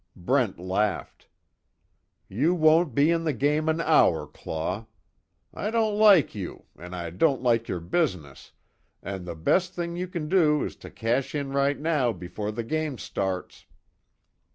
Brent laughed: "You won't be in the game an hour, Claw. I don't like you, and I don't like your business, and the best thing you can do is to cash in right now before the game starts."